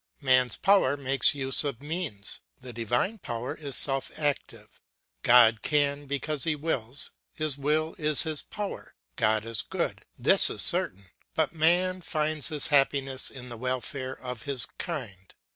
Man's power makes use of means, the divine power is self active. God can because he wills; his will is his power. God is good; this is certain; but man finds his happiness in the welfare of his kind.